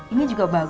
ini juga bagus kok